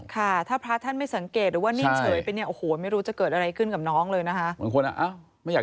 ค่ะถ้าพระท่านไม่สังเกตหรือว่านิ่งเฉยไปเนี่ยโอ้โหไม่รู้จะเกิดอะไรขึ้นกับน้องเลยนะคะ